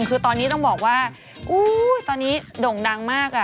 คือตอนนี้ต้องบอกว่าตอนนี้โด่งดังมาก